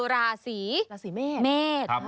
ราศรีเมศ